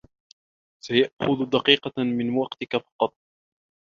سيأخذ دقيقة من وقتك فقط.